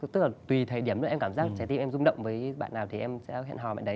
tức là tùy thời điểm em cảm giác trái tim em rung động với bạn nào thì em sẽ hẹn hò bạn đấy